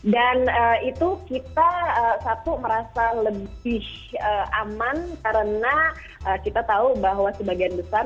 dan itu kita satu merasa lebih aman karena kita tahu bahwa sebagian besar